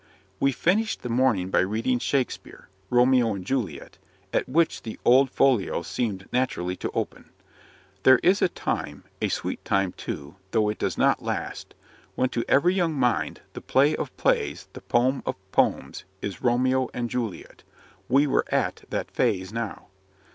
We finished the morning by reading Shakspeare Romeo and Juliet at which the old folio seemed naturally to open. There is a time a sweet time, too, though it does not last when to every young mind the play of plays, the poem of poems, is Romeo and Juliet. We were at that phase now.